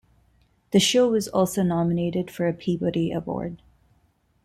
The show was also nominated for a Peabody Award.